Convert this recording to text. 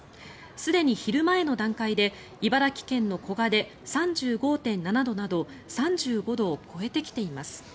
すでに昼前の段階で茨城県の古河で３５．７度など３５度を超えてきています。